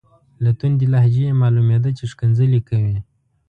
له توندې لهجې یې معلومیده چې ښکنځلې کوي.